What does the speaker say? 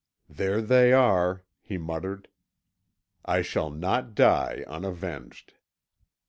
"There they are," he muttered; "I shall not die unavenged."